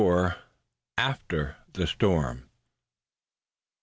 AFTER THE STORM.